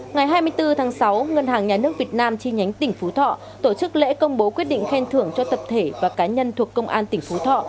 ngày hai mươi bốn tháng sáu ngân hàng nhà nước việt nam chi nhánh tỉnh phú thọ tổ chức lễ công bố quyết định khen thưởng cho tập thể và cá nhân thuộc công an tỉnh phú thọ